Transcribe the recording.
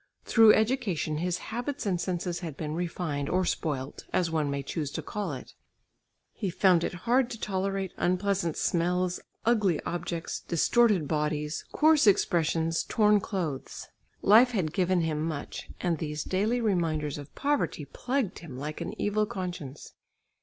Through education his habits and senses had been refined, or spoilt, as one may choose to call it; he found it hard to tolerate unpleasant smells, ugly objects, distorted bodies, coarse expressions, torn clothes. Life had given him much, and these daily reminders of poverty plagued him like an evil conscience.